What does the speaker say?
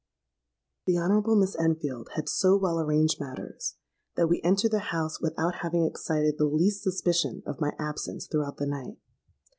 "The Honourable Miss Enfield had so well arranged matters, that we entered the house without having excited the least suspicion of my absence throughout the night.